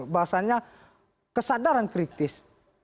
bahwasannya kesadaran kritis